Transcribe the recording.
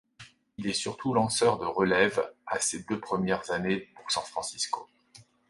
Il est surtout lanceur de relève à ses deux premières années pour San Francisco.